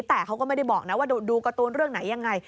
แต่เขาก็ไม่ได้บอกนะว่าดูการ์ตูนเรื่องไหนยังไง